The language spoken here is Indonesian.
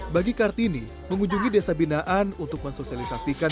bagi kartini mengunjungi desa binaan untuk mensosialisasikan